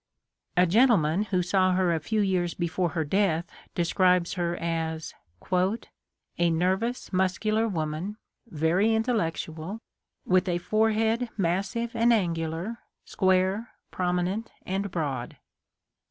A gentleman t who saw her a few years before her death describes her as " a nervous, muscular woman, very intellectual, with a forehead massive and angu lar, square, prominent, and broad."